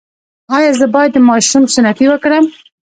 ایا زه باید د ماشوم سنتي وکړم؟